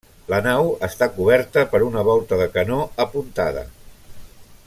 La nau està coberta per una volta de canó apuntada.